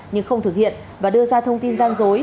nhưng không thực hiện và đưa ra thông tin gian dối